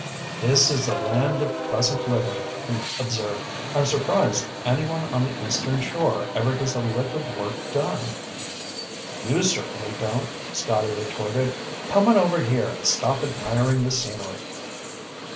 "This is the land of pleasant living," he observed. "I'm surprised anyone on the Eastern Shore ever gets a lick of work done." "You certainly don't," Scotty retorted. "Come on over here and stop admiring the scenery."